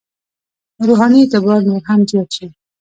روحاني اعتبار نور هم زیات شي.